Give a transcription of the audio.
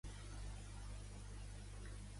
Qui va descobrir Pal·les?